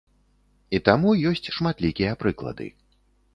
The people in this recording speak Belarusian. І таму ёсць шматлікія прыклады.